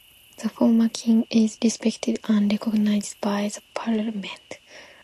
The former king is respected and recognised by the Parliament.